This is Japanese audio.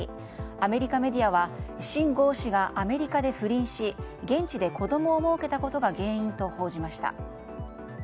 アメリカメディアはシン・ゴウ氏がアメリカで不倫し現地で子供をもうけたことが原因と報じました。